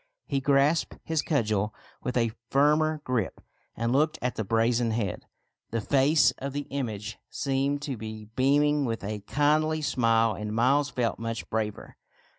He grasped his cudgel with a firmer grip, and looked at the brazen head. The face of the image seemed to be beaming with a kindly smile, and Miles felt much braver.